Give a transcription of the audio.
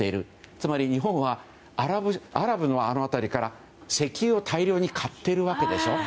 つまり日本はアラブのあの辺りから石油を大量に買っているわけでしょ。